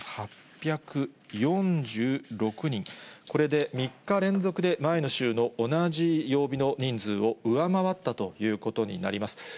これで３日連続で、前の週の同じ曜日の人数を上回ったということになります。